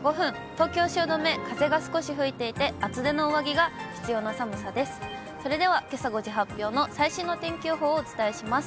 東京・汐留、風が少し吹いていて、厚手の上着が必要な寒さです。